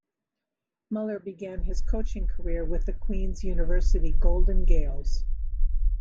Muller began his coaching career with the Queen's University Golden Gaels.